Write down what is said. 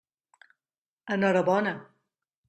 Enhorabona.